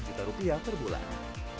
lima juta rupiah per bulan